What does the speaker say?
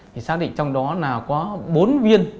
thì xác định trong đó là có bốn viên